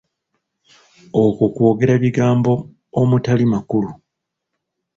Okwo kwogera bigambo omutali makulu.